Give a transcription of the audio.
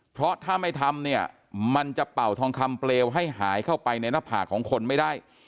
เพราะถ้าไม่ทำเนี่ยมันจะเป่าทองคำเปลวให้หายเข้าไปในหน้าผากของคนไม่ได้